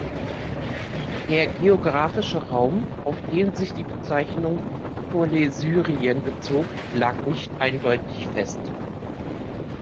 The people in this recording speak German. Der geographische Raum, auf den sich die Bezeichnung Koilesyrien bezog, lag nicht eindeutig fest.